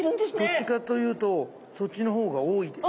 どっちかと言うとそっちの方が多いです。